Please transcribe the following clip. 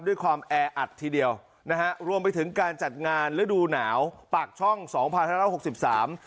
ด้วยความแออัดทีเดียวนะฮะรวมไปถึงการจัดงานฤดูหนาวปากช่องสองพันห้าร้อยหกสิบสาม